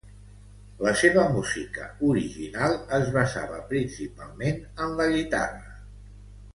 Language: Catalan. La seva música original es basava principalment en la guitarra.